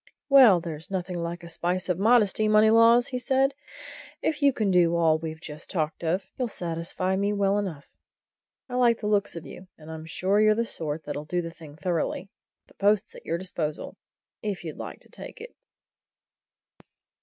"Well, there's nothing like a spice of modesty, Moneylaws," said he. "If you can do all we've just talked of, you'll satisfy me well enough. I like the looks of you, and I'm sure you're the sort that'll do the thing thoroughly. The post's at your disposal, if you like to take it."